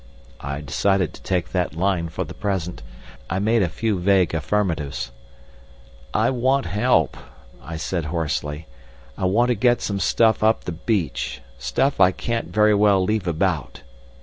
I decided to take that line for the present. I made a few vague affirmatives. "I want help," I said hoarsely. "I want to get some stuff up the beach—stuff I can't very well leave about."